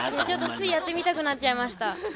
ちょっとついやってみたくなっちゃいました。